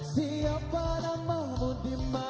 siapa namamu dimana